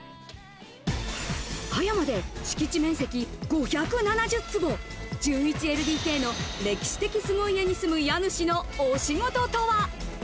葉山で敷地面積５７０坪、１１ＬＤＫの歴史的凄家に住む家主のお仕事とは？